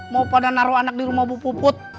mau pada naruh anak di rumah bu puput